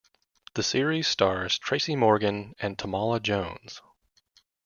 The series stars Tracy Morgan and Tamala Jones.